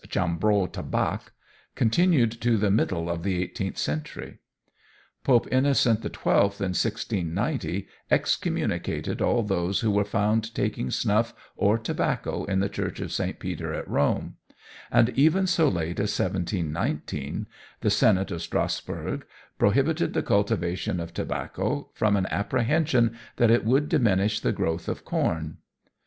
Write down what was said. Chambreau Tabac continued to the middle of the eighteenth century. Pope Innocent XII, in 1690, excommunicated all those who were found taking snuff or tobacco in the Church of St. Peter at Rome; and even so late as 1719 the Senate of Strasburg prohibited the cultivation of tobacco, from an apprehension that it would diminish the growth of corn.